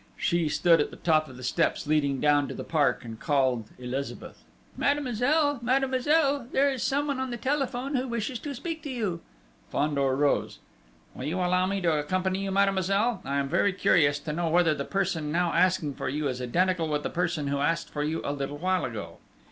She stood at the top of the steps leading down to the park and called Elizabeth. "Mademoiselle! Mademoiselle! There is someone on the telephone who wishes to speak to you!" Fandor rose. "Will you allow me to accompany you, mademoiselle? I am very curious to know whether the person now asking for you is identical with the person who asked for you a little while ago?"